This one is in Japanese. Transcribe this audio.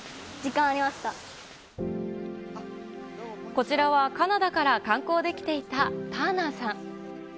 こちらは、カナダから観光で来ていたターナーさん。